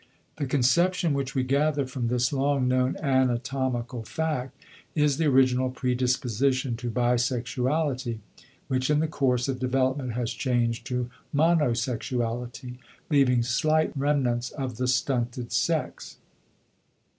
The conception which we gather from this long known anatomical fact is the original predisposition to bisexuality, which in the course of development has changed to monosexuality, leaving slight remnants of the stunted sex.